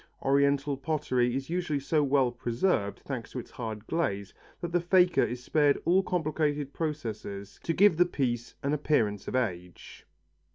Oriental pottery is usually so well preserved, thanks to its hard glaze, that the faker is spared all complicated processes to give the piece an appearance of age.